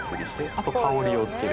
「あと香りをつける。